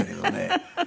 フフフフ。